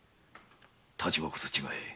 立場こそ違え